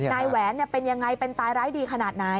แหวนเป็นยังไงเป็นตายร้ายดีขนาดไหน